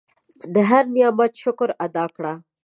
د هر نعمت شکر ادا کړه.